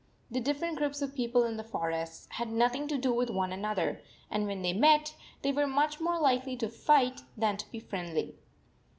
The different groups of people in the forests had nothing to do with one another, and when they met, they were much more likely to fight than to be friendly.